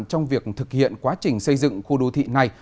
trong việc thực hiện quá trình xây dựng khu đô thị này